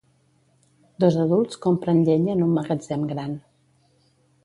Dos adults compren llenya en un magatzem gran.